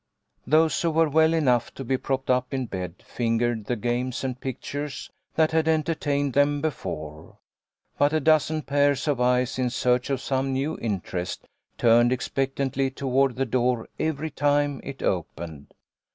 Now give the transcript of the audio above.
Those who were well enough to be propped up in bed fingered the games and pictures that had en tertained them before ; but a dozen pairs of eyes in search of some new interest turned expectantly toward the door every time it opened.